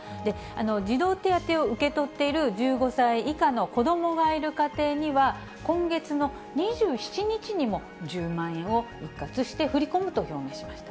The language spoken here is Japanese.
児童手当を受け取っている１５歳以下の子どもがいる家庭には、今月の２７日にも１０万円を一括して振り込むと表明しました。